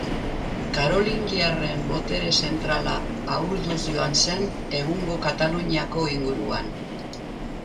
Karolingiarren botere zentrala ahulduz joan zen egungo Kataluniako inguruan.